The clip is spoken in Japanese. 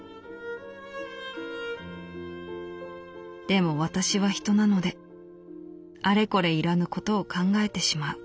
「でも私は人なのであれこれ要らぬことを考えてしまう。